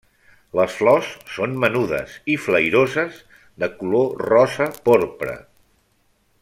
Les flors són menudes i flairoses de color rosa porpra.